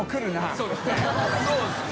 そうですね。